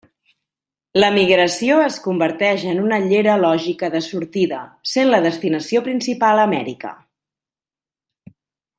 L'emigració es converteix en una llera lògica de sortida, sent la destinació principal Amèrica.